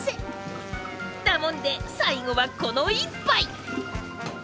だもんで最後はこの一杯。